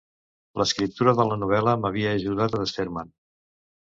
L'escriptura de la novel·la m'havia ajudat a desfer-me'n.